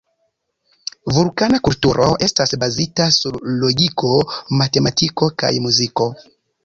Vulkana kulturo estas bazita sur logiko, matematiko kaj muziko.